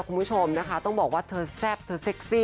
คุณผู้ชมนะคะต้องบอกว่าเธอแซ่บเธอเซ็กซี่